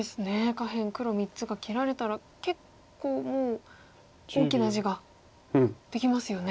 下辺黒３つが切られたら結構もう大きな地ができますよね。